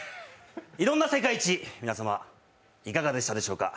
いろんな世界一、皆さまいかがだったでしょうか。